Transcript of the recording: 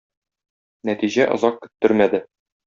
Нәтиҗә озак көттермәде.